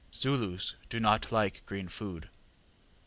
Zulus do not like green food.